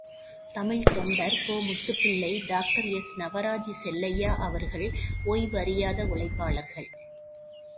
தமிழ்த் தொண்டர் கோ.முத்துப்பிள்ளை டாக்டர் எஸ்.நவராஜ் செல்லையா அவர்கள் ஓய்வறியாத உழைப்பாளர்.